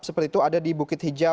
seperti itu ada di bukit hijau